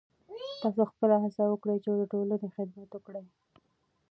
تاسو خپله هڅه وکړئ چې د ټولنې خدمت وکړئ.